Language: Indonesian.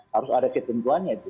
harus ada ketentuannya itu